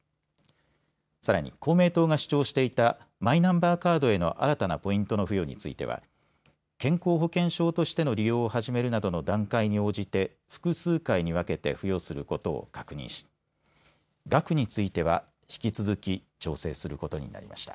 さらに公明党が主張していたマイナンバーカードへの新たなポイントの付与については健康保険証としての利用を始めるなどの段階に応じて複数回に分けて付与することを確認し額については引き続き調整することになりました。